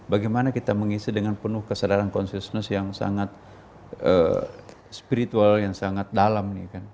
bagaimana kita mengisi dengan penuh kesadaran consiousness yang sangat spiritual yang sangat dalam